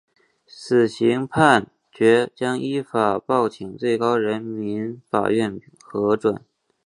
死刑判决将依法报请最高人民法院核准。